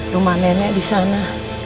rumah nenek di sana